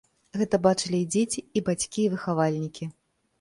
Гэта бачылі і дзеці, і бацькі, і выхавальнікі.